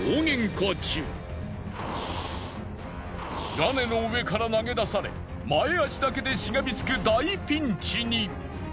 屋根の上から投げ出され前足だけでしがみつく大ピンチに。